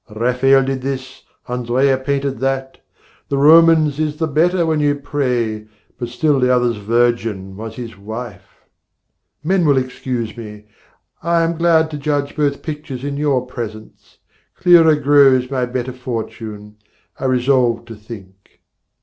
'Rafael did this, Andrea painted that; 'The Roman's is the better when you pray, 'But still the other's Virgin was his wife ' Men will excuse me. I am glad to judge Both pictures in your presence; clearer grows My better fortune, I resolve to think.